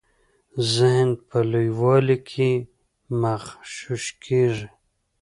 ذهن په لویوالي کي مغشوش کیږي.